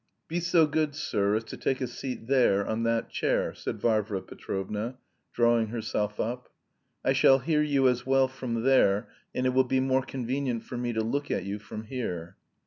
"Be so good, sir, as to take a seat there, on that chair," said Varvara Petrovna, drawing herself up. "I shall hear you as well from there, and it will be more convenient for me to look at you from here."